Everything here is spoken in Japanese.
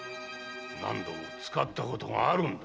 何度も使ったことがあるんだろう。